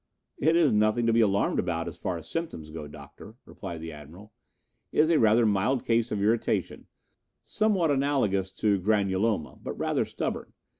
"It is nothing to be alarmed about as far as symptoms go, Doctor," replied the Admiral. "It is a rather mild case of irritation, somewhat analogous to granuloma, but rather stubborn.